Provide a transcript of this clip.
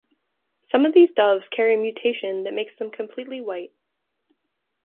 Some of these doves carry a mutation that makes them completely white.